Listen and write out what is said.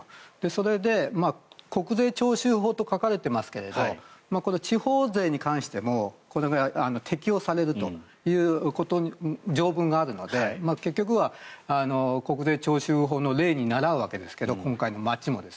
それで国税徴収法と書かれていますが地方税に関しても適用されるという条文があるので結局は国税徴収法の例に倣うわけですけど今回の町も。